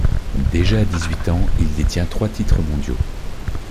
Déjà à dix-huit ans, il détient trois titres mondiaux.